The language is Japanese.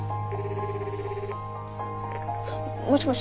もしもし？